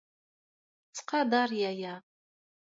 Ttqadar yaya.